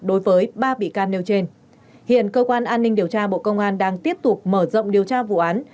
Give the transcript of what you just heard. đối với ba bị can nêu trên hiện cơ quan an ninh điều tra bộ công an đang tiếp tục mở rộng điều tra vụ án